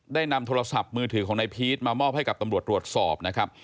ได้นำโทรศัพท์มือถือของนายพีชมามอบให้กับตำรวจตรวจสอบนะครับ